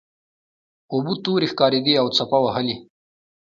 اوبه تورې ښکاریدې او څپه وهلې.